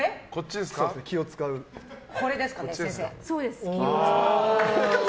これですかね、先生。